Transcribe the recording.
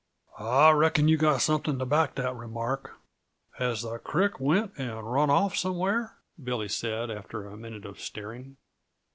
"I reckon you've got something to back that remark. Has the creek went and run off somewhere?" Billy said, after a minute of staring.